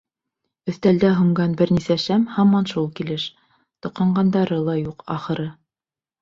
Өҫтәлдә һүнгән бер нисә шәм һаман шул килеш, тоҡанғандары ла юҡ, ахыры.